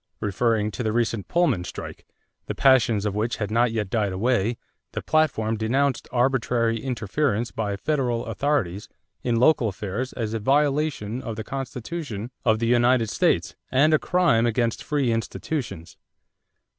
Referring to the recent Pullman strike, the passions of which had not yet died away, the platform denounced "arbitrary interference by federal authorities in local affairs as a violation of the Constitution of the United States and a crime against free institutions."